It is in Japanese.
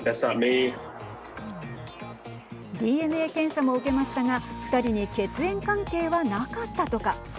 ＤＮＡ検査も受けましたが２人に血縁関係はなかったとか。